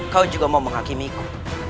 kau juga mau menghakimiku